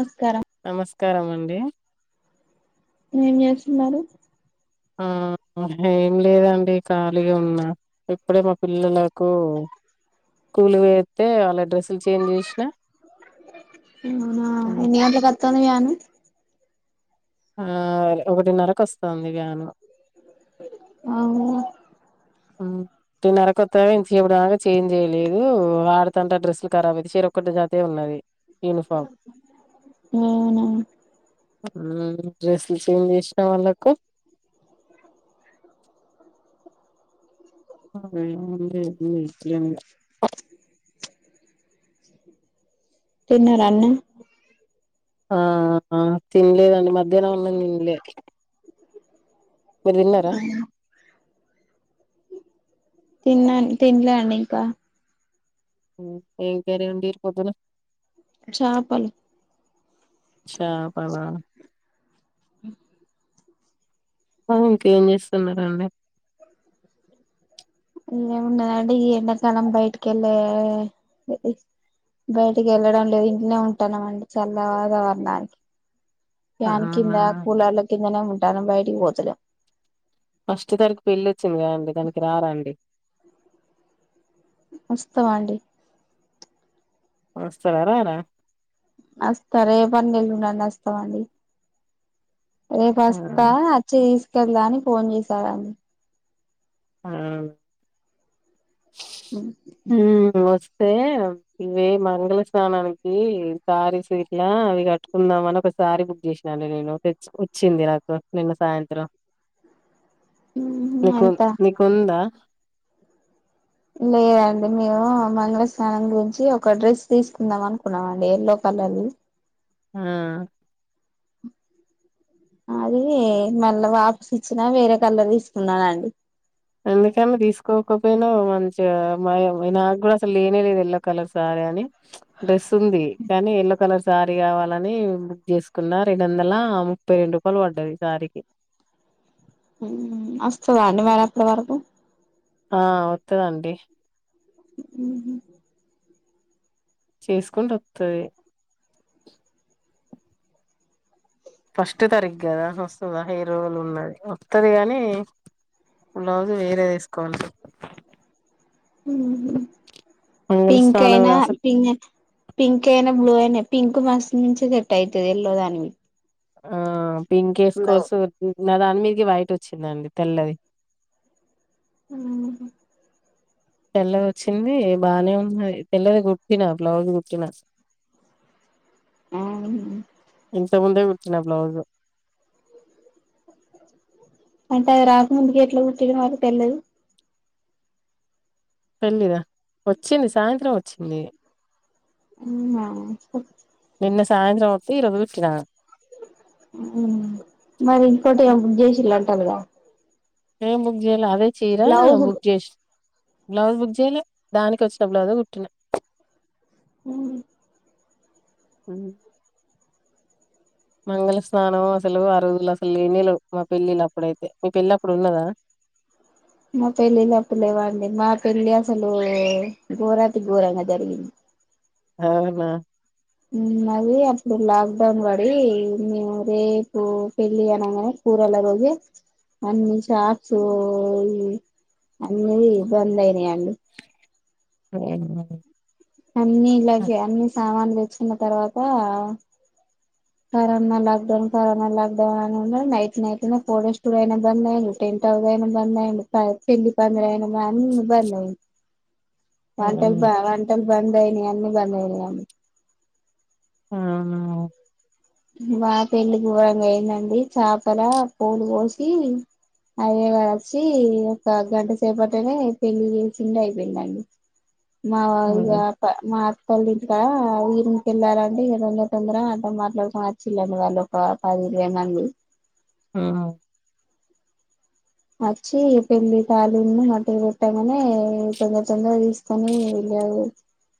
నమస్కారం నమస్కారం అండి ఏం చేస్తున్నారు ఆ ఏం లేదండి ఖాళీగా ఉన్నా ఇప్పుడే మా పిల్లలకు స్కూల్ వేస్తే వాళ్ళ డ్రెస్సులు చేంజ్ చేసినా అవునా ఎన్ని గంటలకి [inaudible] ఆ ఒకటిన్నరకు వస్తుంది వ్యాన్ అవు ఆ నర కొత్తగా ఇ చెప్పడంగా చేంజ్ చేయలేదు ఆడతంటా డ్రెస్సులు కరాబ్ అయితే చెరుకటి జతే ఉన్నది యూనిఫామ్ అవునా ఆ డ్రెస్సులు చేంజ్ చేసినా వాళ్ళకు [unintelligible] తిన్నారా అండి ఆ తిన్లేదండి మ మధ్యాహ్నం అన్నం తినలే మీరు తిన్నారా తిన్నా తిన్ల అండి ఇంకా ఏం కర్రీ అండి పొద్దన్న చాపలు చాపలా మరి ఇంకేం చేస్తున్నారండి ఏముంటదండి ఈ ఎండాకాలం బయటికి వెళ్ళే బయటికి వెళ్ళడం లేదు ఇంటనే ఉంటాన్నాం అండి చలగా వాతావరణానికి ప్యాన కింద అవునా కూలర్ల కింద ఇన ఉంటున్నా బయటికి పోతులే ఫస్ట్ తరఖ పెళ్లి వచ్చింది కద అండి దానికి రారండి వస్తవండి వస్తారా రార వస్తారే ఏ పని నిళ్ళుండడి వస్తాం అండి రే ఆ పాస్తా అచ్చి కదా అని ఫోన్ చేసాడుడి ఆ ఊమ్ వ ఇవే మంగళ స్నానానికి కారీ సీట్లా అవి కట్టుకుందామని ఒకసారీ బుక్ చేసాండి నేను తె వచ్చింది నాకు నిన్న సాయంత్రం హు అంత ఉందా లేదండి మేము మంగళస్నాానం గురించి ఒక డ్రెస్ తీసుకుందాం అనుకున్నాం అండి ఎల్లో కలర్లు ఆ అది మళ్ళా వాపస్ ఇచ్చినా వేరే కలర్ తీసుకున్నానండి అందుకని తీసుకోకపోయినా మంచిగా నాకు కూడా అసలు లేనేలేదు ఎల్లో కలర్ శారీ అని డ్రెస్ ఉంది కానీ ఎల్లో కలర్ శారీ కావాలని బుక్ చేసుకున్న రెండు వందల ముప్పై రెండు రూపాయలు పడ్డాది ఈ సారీకి అస్స్త ద అండి మరి అప్పటి వరకు ఆ వత్తదండి ఉహు చేసుకుంటె వస్తది ఫస్ట్ తరిగ్ కదా వస్తుందా ఐదు రోజలు ఉన్నది వస్తుంది కానీ బ్లౌజు వేరే తీసుకోం మంగళ పింక్ స్నానం అయినా అసలు ప పింక్ అయినా బ్లూ అనే పింక్ మస్ నుంచి సట్ అవుతుంది ఎల్లో దాని ఆ పింకేస్ కోల్స్ నా దాని మీదకి వైట్ వచ్చిందండి తెల్లది ఆ తెల్లది వచ్చింది బానే ఉన్నా తెల్లది గుట్టినా బ్లౌజ్ గుట్టినా ఆ ఇంత ముందే కుట్టిన బ్లౌజ్ అంటే అ రాకముందుకి ఎట్లా కుట్టిరు మాకు తెలిదు పెళ్ళిదా వచ్చింది సాయంత్రం వచ్చింది నిన్న సాయంత్రం వత్తే ఈ రోజు కుట్టిన మరి ఇంకోటి బుక్ చేసిలా కల్గ ఏ బ లా అదే చీరా బుక్ బ్లౌజులు చేస్త బ్లౌజ్ బుక్ చేయలేి దానికి వచ్చిన బ్లౌజ్ కుట్టిన హ్మ్ హ్మ్ మంగళ స్నానం అసలు ఆ రోజులు అసలు లేనే లెవ్వు మా పెళ్ళిళ అప్పుడైతే మీ పెళ్లి అప్పుడు ఉన్నదా మా పెళ్ళిళప్పుడు లేవండి. మా పెళ్ళి అసలు ఘోరాతి ఘోరంగా జరిగింది. అవునా అది అప్పుడు లాక్డౌన్ పడి మేము రేపు పెళ్ళి అనంగానే కూరళ్ల రోజు అన్ని షాప్స్ అన్న బంద్ అయినాయండి. [unintelligible] మరీ అన్ని ఇలాగే అన్ని సామాన్లు తెచ్చుకున్న తర్వాత corona lockdown, corona lockdown అని ఉ night night four days two అయినా బంద్ అయింది. టెంట్ హౌస్ అయినా బంద్ అయిండు. పెళ్లి పందిరి అయిన బంద్ అన్ని బంద్ అయిళ్ళు వంటల్బ్ వంటెల్ బంద్ అయిన్నాయ్ అన్ని బంద్ అయినయ్ ఆహా మా పెళ్లి ఘోరంగా అయిందండి. చాపల పూలు పోసి అయ్యగారు వచ్చి ఒక గంట సేపటనే పెళ్లి చేసిండు అయిపోయిందండి. మా ఇగా ఉమ్. మా అ పెళ్లికా ఊరికి వెళ్ళాలంటే ఇగా తొందర తొందరగా [unintelligible] మాట్లాడు వచ్చిళ్ళు వాళ్ళు ఒక పది, ఇరవై మంది ఆ వచ్చి పెళ్ళి తాళ్ళి ఉన్ను మట్టేలు పెట్టాగానే తొందర తొందర తీసుకొని [unintelligible]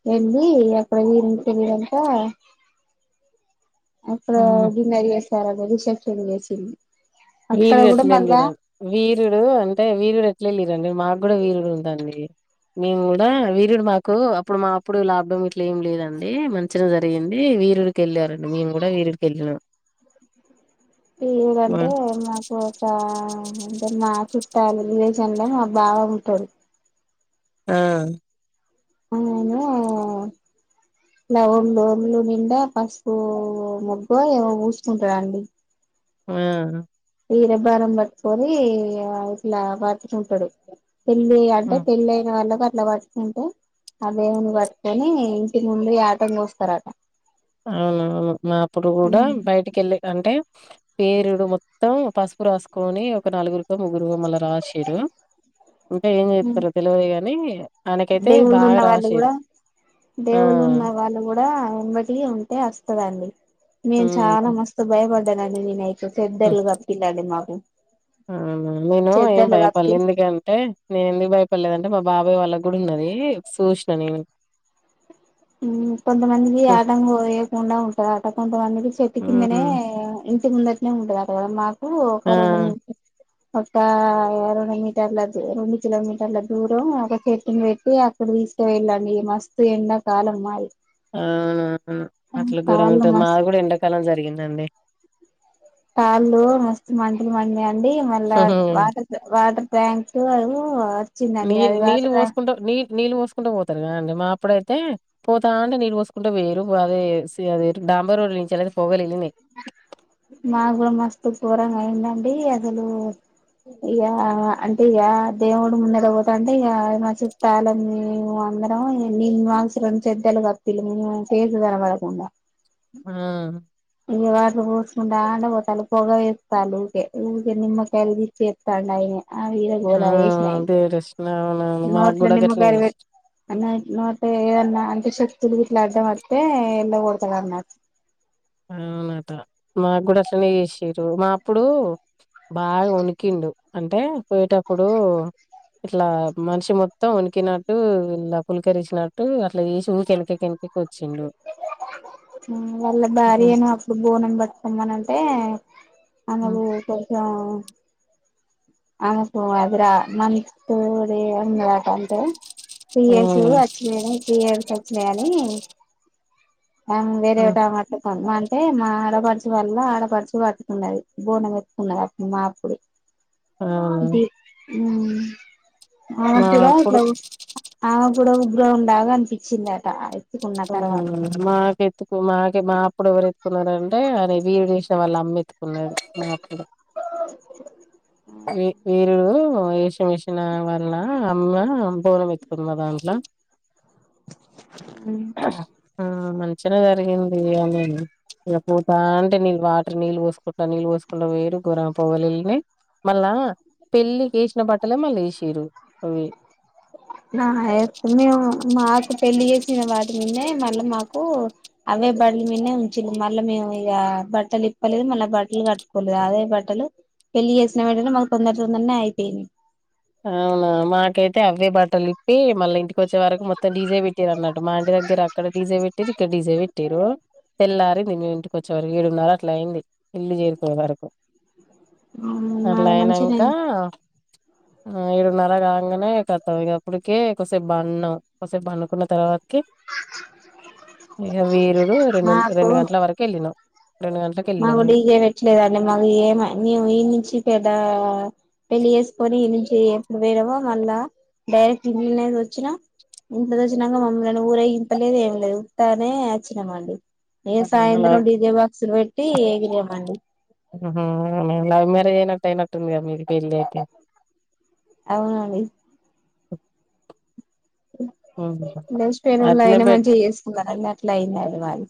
వెళ్ళి వెళ్లిదంటా అప్పుడు ఉమ్. డిన్నర్ చేస్ [unintelligible] రిసెప్షన్ చేేసింది వీరుడు ఎట్ల [unintelligible] వీరుడు అంటే వీరుడు ఎట్ ఇట్లెళ్ళరండి మాకు కూడా వీరుడు ఉందండి. మేము కూడా వీరుడు మాకు అప్పుడు మా అప్పుడు లొక్డౌన్ ఇట్లా ఏమి లేదండి. మంచిగానే జరిగింది. వీరుడికి వెళ్ళారండి. మేము కూడా వీరుడికి వెళ్ళినాం ఆ ఏదంటే పోతా అ అంటే మా చుట్టాల లేవాగానే మా బావా [unintelligible] ఆ అలానే ఇలా ఒన్లు ఒల్లు నిండా పసుపు, మొగ్గు ఏమో పుసుకుంటారండి. ఆ ఈ రెబ్బారం పట్టుకొని ఇట్లా పట్టుకుంటాడు పెళ్ళి అంటే హ్మ్. పెళ్ళి అయిన వాళ్ళకు అట్లా పట్టుకుంటే ఆ దేవున్నీ పట్టుకొని ఇంటి ముందు యాటను కొస్తారట అవునవును మా అప్పుడు కూడా బయటికి వెళ్ళే కంటే పేరుడు మొత్తం పసుపు రాసుకొని ఒక నాలుగురు ముగ్గురు మళ్ళా రాషిర్రు. అంటే ఏం చెత్తారో తెలవాదు కానీ దేవుళ్ళు ఉన్న వాళ్ళు కూడా, ఆ! దేవుళ్ళు ఉన్న వాళ్ళు కూడా ఉమ్మటి ఉంటే వస్తదండి. మేమ్ హ్మ్. చాలా మస్త్ భయపడ్ దనండి నేనై సో సెడ్డర్లు గప్పిండండి మాక్ ఆ మేము ఏం కప్పి భయపడల్లే ఎందుకంటే నేను ఎందుకు భయపడల్లే అంటే మా బాబాయ్ వాళ్ళకు కూడా ఉన్నది సూసిన నేను మ్మ్ కొంతమందికి హ్మ్. ఆటంగా వేయకుండా ఉంటందట కొంతమందికి చెట్టు కిందనే హ్మ్. మ్మ్. ముందట్నే ఉంటదట అక్కడ మాక్ కు ఆ! ఒక రెండు మీకి ఒక రెండు మీటర్ల రెండు కిలోమీటర్ల దూరం ఒక చెట్టుని పెట్టి అక్కడ తీసుక వెళ్ళండి మస్తు ఎండ. కాలం మారి అవును ఆ అట్లా కాళ్ళు గురమంటే మస్తు మాది కూడా ఎండాకాలం జరిగిందండి. కాళ్లు మస్తు మంటలు మండినయ్ వుండీ మళ్ళా క్ వాటర్క్ వాటర్ ట్యాం కు ఉ వచ్చిందండి. నీళ్ అది నీళ్ళు వాటర్ ట్యాం పోసుకుంటూ ఇప్పుడైతే పోతా అంటే నీరు పోసుకుంటే వేయిరు వాళ్లే సే అదేటి డాంబర్ రోడ్డు నుంచి అలాగే పొగలే మాగుడ మస్త్ పోర్ తెలంగాణ ఏందండి. అసలు ఇగ అంటే ఇగ దేవుడు ముందెద పోతా అంటే, ఇగ మచ్చస్తాలని మేము అందరం నీ మాసర చెద్దలు కప్పిర్లు, మేము చేసదాన పడకుండా ఆ ఇయ వాటర్ పోసుకుంట ఆండ పోతాళ్ళు పొగ వేత్తాండు, ఊకే ఊకే నిమ్మకాయలుదిత్తే త్తాండు అయనే ఆ ఆ ఇదిగదిగోలా వేష్నయి అదే ప్రశ్న అవునవును మాకు నోట్ల కూడా గట్లనే నిమ్మకాయల్ వెట్ చేసిర్రు అన్న నోట్ ఏదన్నా అంత సెక్ తెల్లుగిట్ల అడ్డమత్తే ఎల్లగొడతానన్నడ్ ఆ అవునట మాకు కూడా అట్లనే చేసిరు మా ప్పుడు బాగా వొనిక్కిండు అంటే పోయేటప్పుడు ఇట్లా మనిషి మొత్తం వొకినట్టు, ఇలా పులికరిసినట్టు అట్లా ఈసి ఊరికె వెనక కెనక్కి ఎక్కువ్ హ్మ్ వాళ్ళ బ్యాడ్ హ్మ్. నేను అప్పుడు బోనన్ పట్టుకున్ మనంటే హ్మ్. అన్నకు స్పర్శ ఆ ఆమెకు అదరా మం తూది అన్నదట అంతే పీరియడ్స్ హ్మ్. వచ్చినాయి వై పీరియడ్స్ వచ్చినయి అనీ హ్మ్ ఆమ్ వేరే హ్మ్. ఒక్కమ్ ఎత్తకత ఉందా [unintelligible] అంటే మా ఆడపడుచు వాల్ల ఆడపడుచు పట్టుకున్నది. బోనమెతుకున్నది అప్ అప్పుడు ఆ అవు ఆ మా పడ అప్పుడు ఆ పడ గ్రౌం లాగా అనిపించిందిట మాగ ఎతుకు మాగ మా ఇప్పుడు ఎవరుెత్తుకున్నారంటే అని వీరు చేసిన వాళ్ళ అమ్ ది మాప్పుడు వ వీరు వేష మషన్ వల్ల అమ్మ బోనం ఎత్తుకుందమా దాంట్లో అ ఆ మంచినే జరిగింది అనిక పత అంటే నీళ్ళు వాటర్ నీళ్ళు పోసుకుంటా నీళ్ పోసుకుంటా వేరు గురం పవలుళ్ళని మళ్ళా పెళ్ళికి వేసిన బట్టలే మళ్ళీ వేసిరు అవి మేము మాకు పెళ్లిి చేసిన వాటి మీదే మళ్ళీ మాకు అవే బట్టల మీదే ఉంచ మళ్ళా మేము ఇక బట్టలు ఇప్పలేదు మళ్ళీ బట్టలు కట్టుకోలేదు అదే బట్టలు పెళ్లి చేసిన వెంటనే మాకు తొందర తొందరనే అయిపోయినాయి అవునా మాకైతే అవే బట్ట తలితే మళ్ళ ఇంటి ఇ కొంచచ్చ వర మొం డీజే పెట్టారు అన్నట్ మా ఇంటి దగ్గర అక్కడ డీజే పెట్టారు ఇక్కడ డీజే పెట్టారు తెల్లారింది నువ్వు ఇంటికి వచ్చే వరకు ఏడున్నర అట్లా అయింది ఇల్లు చేరుకుయే వరకు మాకు మంచినే అలాయినాకా ఆ ఏడున్నర కాగానే కతాం ఇప్పటికే ఒకసేపు బంన్నం ఒకసేపు బండుుకున్న తర్వాత ఇక వీరుడు రెండు మాకు రెండు గంటల వరకు వెళ్ళినాం రెండు గంటలకు మాకు వెళ్ళినాం కూడా మేము ఇగే పెట్టలేదండి మాకు ఏమ న ఈ నుంచి పెద్ద పెళ్లిి చేేసుకొని ఇ నుంచి ఎప్పుడు పోేనామో మళ్ళా డైరెక్ట్ ఇట్నేది వచ్చినా ఇంట్లో వచ్చినాక మమ్మల్ని ఊరే ఇంపలేదు ఏం లేదు వస్తానే వచ్చినామండి ఏ ఆ, సాయంద్రం డి దే బాక్సుర్ట్ చేనట్టు అయినట్టుందిగా మీరు పెళ్ళి అయితే అవునండి ఉమ్. స్ట్ పేరుళ అట్నే అయినా పెట్ మంచిగా చేసుకున్నారుర అన్నారు దు మది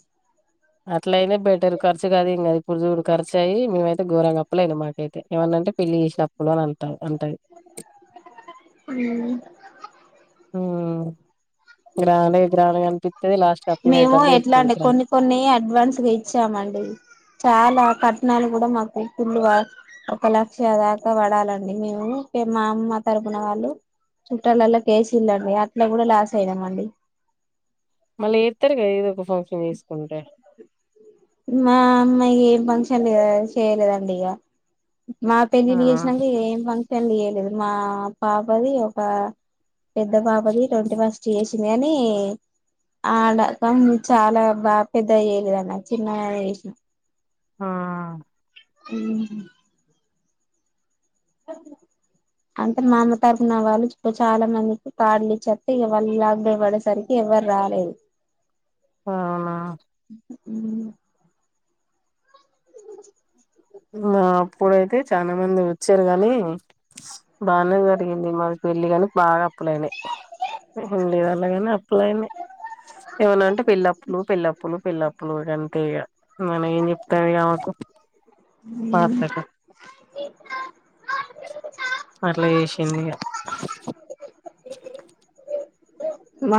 అట్ల అయినే బెటర్ ఖర్చు కాదు ఇంకా ఇప్పుడు చూడు ఖర్చు అయయి మేమైతేఘోరంగా కప్పలేదు మాకైతే ఏమనంటే పెళ్లి చేసినప్పుడు అని అంటారు అంటే మాది ఆ గ్రా గ్రా కనిపిచదిలా మేము ఎట్లా అంటే కొన్ని కొన్ని అడ్వాన్స్గా ఇచ్చామండి చాలా కట్నాలు కూడా మాకు ఫుల్లు ఒక లక్ష దాకా పడాలండి మేము మా అమ్మ తరపుున వాళ్ళు చుట్టాలలో కేసి వెళ్ళండి అట్లా కూడా లాస్ అయినాం అండి మళ్ ఎతేరు క ఏదో ఫంక్షన్ చేసుకుంటే మా మ ఫంక్షన్ లేద చేయలేదండి ఇగ మా ఆ పెళ్లిలు చేసినాక ఏం ఫంక్షన్ల లేయలేదు మా పాపది ఒక పెద్ద పాపది ట్వంటీ ఫస్ట్ చేసింది గని ఆడ చాలా బాగా పెద్ద అయ్యలేదన్న చిన్నగనే చేసిన ఆ అంటే మా అమ్మ తరఫున వాళ్ళు చాలా మందికి కార్డులు ఇచ్చేస్తే ఇగ వాళ్ళ లాక్ డే పడేసరికి ఎవ్వరు రాలేదు అవునా ఉ అప్పుడైతే చాలా మంది వచ్చారు గని బానే జరిగింది మాది పెళ్లికానీ బాగా అప్పులయినాయి ఉళ్ండదల్ళ అప్పులయినాయి ఏమన్నా అంటే పెళ్ల్ళప్పులు పెళ్ల్లప్పులు పెళ్ల్లప్పులు కంటే ఇక మనం ఏం చెప్తాం ఇగ ఆమెకు పాత్రక అట్లా వేసింది ఇగ మా